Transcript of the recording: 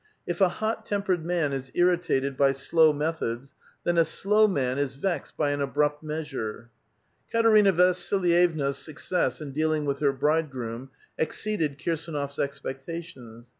If a hot tempered man is irritated by slow methods, then a slow man is vexed by an abrupt measure. Katerina Vasllyevna's success in dealing with her " bride groom" exceeded Kirs^nof s expectations.